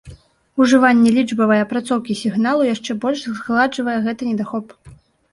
Ужыванне лічбавай апрацоўкі сігналу яшчэ больш згладжвае гэты недахоп.